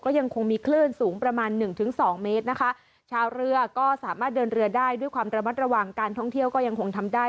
ยังคงมีคลื่นสูงประมาณหนึ่งถึงสองเมตรนะคะชาวเรือก็สามารถเดินเรือได้ด้วยความระมัดระวังการท่องเที่ยวก็ยังคงทำได้